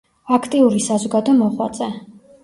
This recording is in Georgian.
აქტიური საზოგადო მოღვაწე.